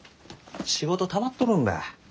仕事たまっとるんだ。